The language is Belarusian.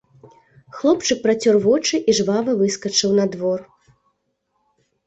Хлопчык працёр вочы і жвава выскачыў на двор.